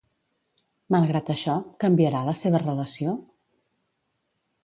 Malgrat això, canviarà la seva relació?